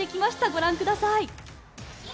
ご覧ください。